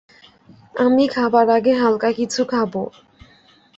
আমি খাবার আগে হালকা কিছু খাবো।